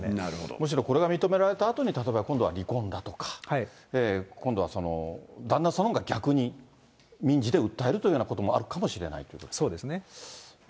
むしろ、これが認められたあとに、例えば今度は離婚だとか、今度は、その、旦那さんのほうが逆に民事で訴えるというようなこともあるかもしれませんけど。